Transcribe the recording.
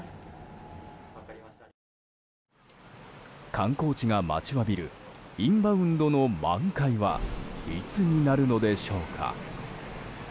観光地が待ちわびるインバウンドの満開はいつになるのでしょうか。